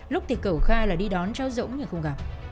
lúc thì cầu kha là đi đón cháu dũng nhưng không gặp